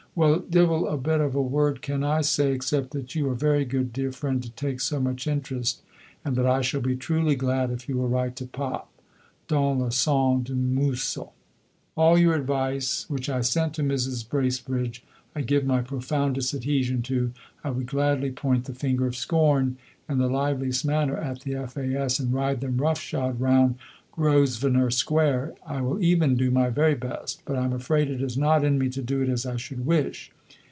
Well, divil a bit of a word can I say except that you are very good, dear friend, to take so much interest, and that I shall be truly glad if you will write to Pop, ... dans le sens du muscle. All your advice, which I sent to Mrs. Bracebridge, I give my profoundest adhesion to I would gladly point the finger of scorn in the liveliest manner at the F.A.S. and ride them roughshod round Grosvenor Sq. I will even do my very best but I am afraid it is not in me to do it as I should wish.